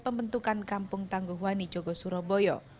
pembentukan kampung tangguh wani jogosuroboyo